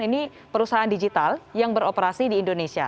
ini perusahaan digital yang beroperasi di indonesia